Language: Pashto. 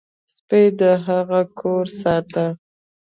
سپي د هغه کور ساته.